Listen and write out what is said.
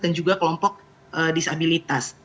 dan juga kelompok disabilitas